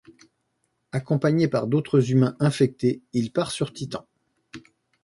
Accompagné d'autres humains infectés, il part sur Titan.